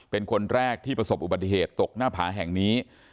เป็นคนแรกที่ประสบอุบัติเหตุตกหน้าผาแห่งนี้